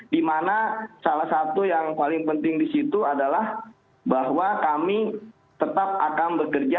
dimana salah satu yang paling penting di situ adalah bahwa kami tetap akan bekerja